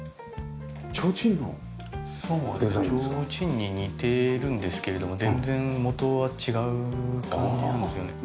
提灯に似てるんですけれども全然元は違う感じなんですよね。